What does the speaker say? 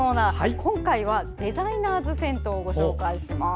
今回はデザイナーズ銭湯をご紹介します。